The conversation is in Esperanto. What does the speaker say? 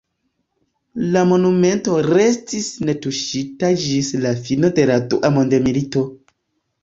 La monumento restis netuŝita ĝis la fino de la Dua mondmilito.